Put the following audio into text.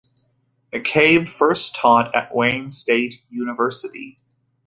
McCabe first taught at Wayne State University.